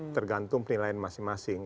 tergantung penilaian masing masing